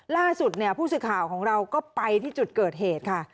ล่าสุดเนี่ยผู้สื่อข่าวของเราก็ไปที่จุดเกิดเหตุค่ะ